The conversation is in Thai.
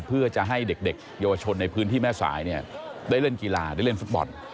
เพื่อจะให้เด็กเยาวชนในพื้นที่แม่สายได้เล่นกีฬาได้เล่นฟุตบอล